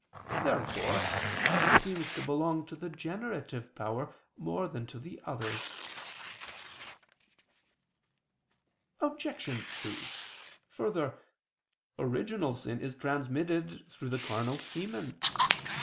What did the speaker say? Therefore it seems to belong to the generative power more than to the others. Obj. 2: Further, original sin is transmitted through the carnal semen.